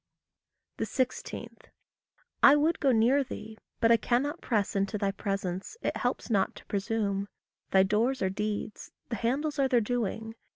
16. I would go near thee but I cannot press Into thy presence it helps not to presume. Thy doors are deeds; the handles are their doing.